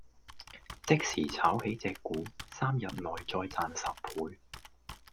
即時炒起隻股，三日內再賺十倍